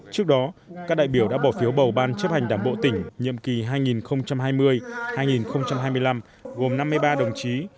trước đó các đại biểu đã bỏ phiếu bầu ban chấp hành đảng bộ tỉnh nhiệm kỳ hai nghìn hai mươi hai nghìn hai mươi năm gồm năm mươi ba đồng chí